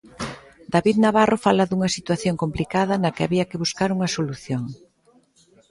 David Navarro fala dunha situación complicada na que había que buscar unha solución.